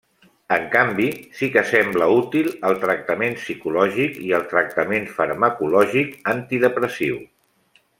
En canvi, sí que sembla útil el tractament psicològic i el tractament farmacològic antidepressiu.